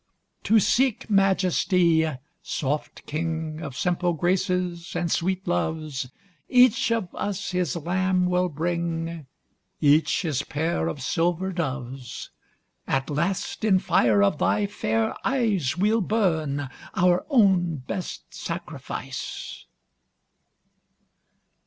To seek Majesty, soft king Of simple graces, and sweet loves, Each of us his lamb will bring, Each his pair of silver doves. At last, in fire of thy fair eyes, We'll burn, our own best sacrifice.